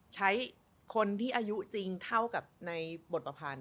ใช้คนที่อายุจริงเท่ากับในบทประพันธ์